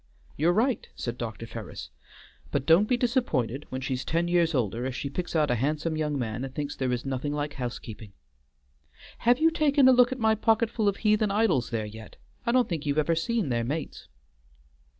"You're right!" said Dr. Ferris; "but don't be disappointed when she's ten years older if she picks out a handsome young man and thinks there is nothing like housekeeping. Have you taken a look at my pocketful of heathen idols there yet? I don't think you've ever seen their mates."